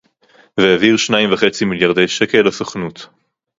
והעביר שניים וחצי מיליארדי שקל לסוכנות